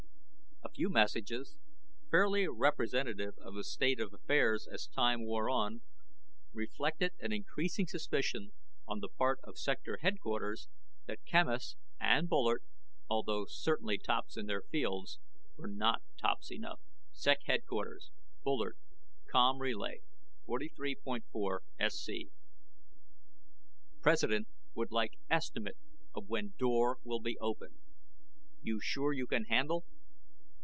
A few messages, fairly representative of the state of affairs as time wore on reflected an increasing suspicion on the part of Sector Headquarters that Quemos and Bullard, although certainly tops in their fields, were not tops enough. SEC HDQ BULLARD, COM. RLY. 43.4SC PRESIDENT WOULD LIKE ESTIMATE OF WHEN DOOR WILL BE OPENED. YOU SURE YOU CAN HANDLE?